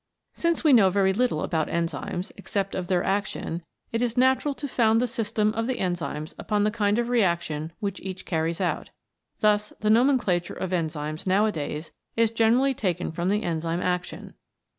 Since we know very little about enzymes, except of their action, it is natural to found the system of the enzymes upon the kind of reaction which each carries out. Thus the nomenclature of enzymes nowadays is generally taken from the enzyme action.